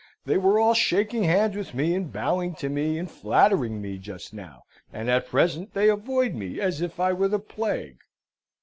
They were all shaking hands with me, and bowing to me, and flattering me just now; and at present they avoid me as if I were the plague!"